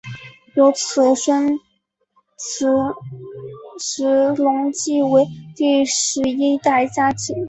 由其孙菊池时隆继位为第十一代家督。